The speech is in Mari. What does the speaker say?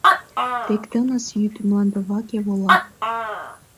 Тек тыныс йӱд мландываке вола.